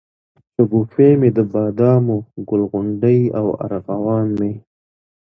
شګوفې مي دبادامو، ګل غونډۍ او ارغوان مي